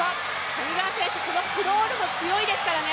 谷川選手、このクロールも強いですからね